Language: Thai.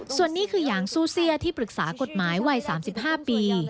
ส่วนนี้คือยางสู้เสี้ยที่ปรึกษากฎหมายวัย๓๕ปี